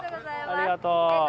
ありがとう。